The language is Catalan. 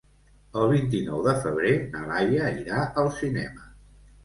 El vint-i-nou de febrer na Laia irà al cinema.